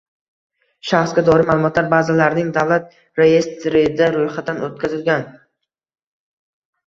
Shaxsga doir ma’lumotlar bazalarining davlat reyestrida ro‘yxatdan o‘tkazilgan